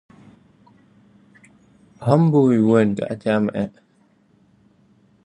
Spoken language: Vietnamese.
Ham bui quên cả cha mẹ